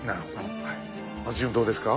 松潤どうですか？